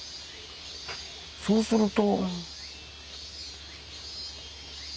そうすると。